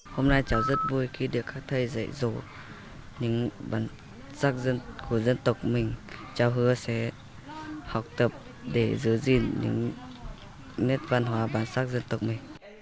hôm nay cháu rất vui khi được các thầy dạy dỗ những bản sắc dân của dân tộc mình chào hứa sẽ học tập để giữ gìn những nét văn hóa bản sắc dân tộc mình